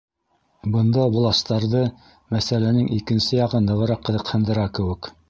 Бында властарҙы мәсьәләнең икенсе яғы нығыраҡ ҡыҙыҡһындыра кеүек.